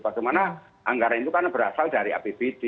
bagaimana anggaran itu kan berasal dari apbd